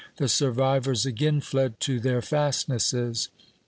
The survivors again fled to their fastnesses.